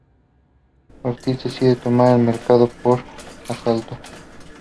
Ortiz decide tomar el mercado por asalto.